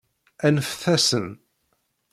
Aneft-asen!